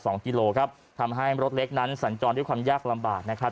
กิโลครับทำให้รถเล็กนั้นสัญจรด้วยความยากลำบากนะครับ